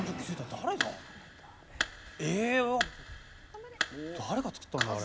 誰がつくったんだろう？